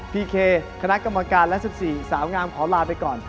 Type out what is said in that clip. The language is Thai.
พีเคคณะกรรมการและสิบสี่สาวงามขอลาไปก่อน